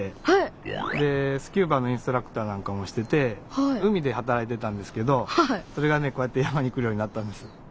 えっ！？でスキューバのインストラクターなんかもしてて海で働いてたんですけどそれがねこうやって山に来るようになったんです。